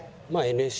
ＮＳＣ？